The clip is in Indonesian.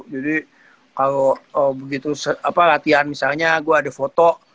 jadi kalau begitu apa latihan misalnya gue ada foto